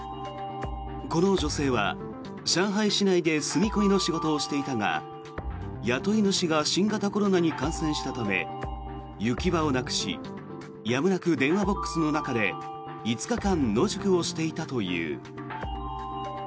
この女性は、上海市内で住み込みの仕事をしていたが雇い主が新型コロナに感染したため行き場をなくしやむなく電話ボックスの中で５日間、野宿をしていたという。